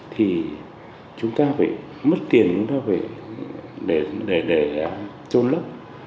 thì chúng ta phải mất tiền để trôn lớp